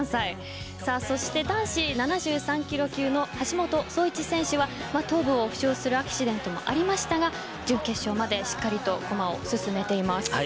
そして、男子７３ｋｇ級の橋本壮市選手は頭部を負傷するアクシデントもありましたが準決勝までしっかり駒を進めています。